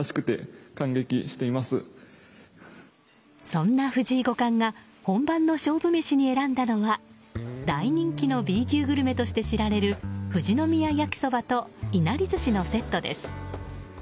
そんな藤井五冠が本番の勝負メシに選んだのは大人気のＢ級グルメとして知られる富士宮焼きそばといなり寿司のセットです。